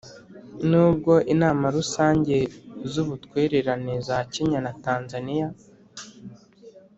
N ubwo Inama Rusange z Ubutwererane za Kenya na Tanzania